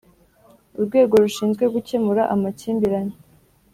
urwego rushinzwe gukemura amakimbirane.